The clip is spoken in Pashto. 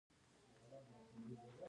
د نورم او سټنډرډ اداره معیارونه ټاکي